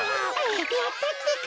やったってか。